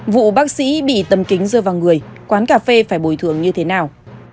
vụ bác sĩ bị tầm kính rơi vào người quán cà phê phải bồi thường như thế nào